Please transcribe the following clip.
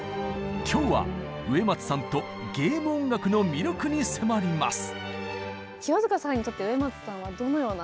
今日は植松さんとゲーム音楽の魅力に迫ります！